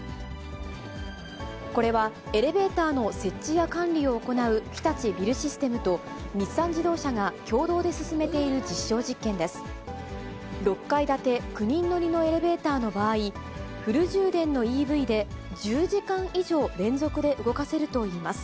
これは、エレベーターの設置や管理を行う日立ビルシステムと、日産自動車が共同で進めている実証実験です。